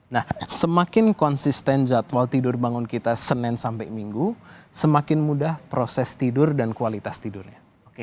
nah semakin konsisten jadwal tidur bangun kita senin sampai minggu semakin mudah proses tidur dan kualitas tidurnya